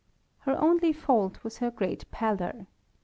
Her only fault was her great pallor.